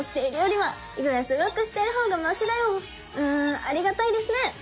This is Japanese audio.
うんありがたいですねぇ！